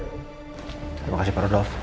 terima kasih pak rodolf